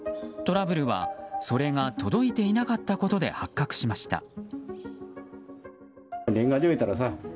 トラブルはそれが届いていなかったことで発覚しました。